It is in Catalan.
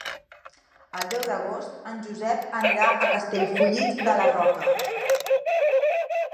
El deu d'agost en Josep anirà a Castellfollit de la Roca.